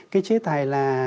cái chế tài là